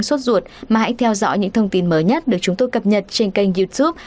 suốt ruột mà hãy theo dõi những thông tin mới nhất được chúng tôi cập nhật trên kênh youtube